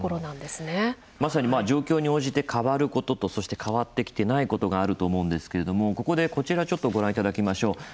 まさに状況に応じて変わることとそして、変わってきてないことがあると思うんですけれどもここで、こちらご覧いただきましょう。